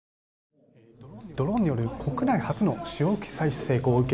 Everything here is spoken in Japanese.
ドローンによる国内初の潮吹き採取成功を受け